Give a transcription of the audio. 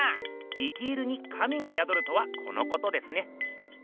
ディテールに神がやどるとはこのことですね。